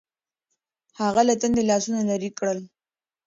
هغه له ټنډې لاسونه لرې کړل. .